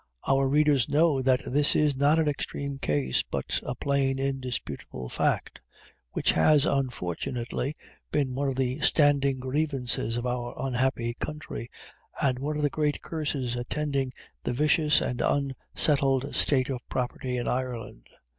Our readers know that this is not an extreme case, but a plain, indisputable fact, which has, unfortunately, been one of the standing grievances of our unhappy country, and one of the great curses attending the vicious and unsettled state of property in Ireland.